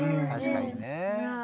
確かにね。